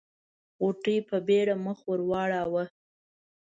غوټۍ په بيړه مخ ور واړاوه.